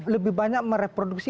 lebih banyak mereproduksi